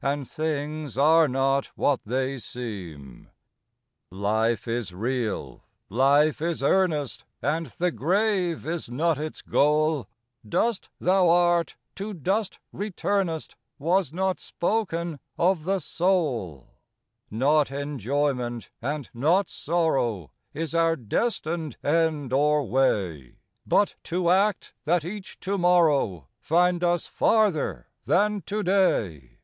And things are not what they seem. Life is real ! Life is earnest ! And the grave is not its goal ; Dust thou art, to dust returnest, Was not spoken of the soul. VOICES OF THE NIGHT. Not enjoyment, and not sorrow, Is our destined end or way ; But to act, that each to morrow Find us farther than to day.